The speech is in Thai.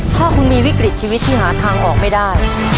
ถ้าคุณมีวิกฤตชีวิตที่หาทางออกไม่ได้